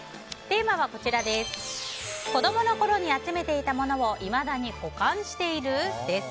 テーマは子供の頃に集めていたものをいまだに保管している？です。